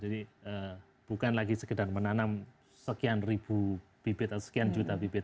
jadi bukan lagi sekedar menanam sekian ribu bibit atau sekian juta bibit